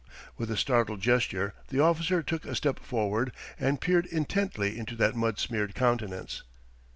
With a startled gesture the officer took a step forward and peered intently into that mud smeared countenance.